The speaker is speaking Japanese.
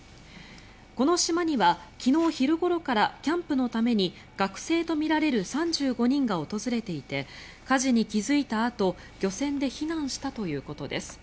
この島には昨日昼ごろからキャンプのために学生とみられる３５人が訪れていて火事に気付いたあと漁船で避難したということです。